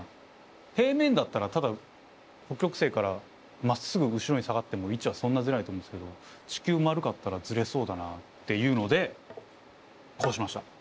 平面だったらただ北極星からまっすぐ後ろに下がっても位置はそんなズレないと思うんすけど地球丸かったらズレそうだなっていうのでこうしました。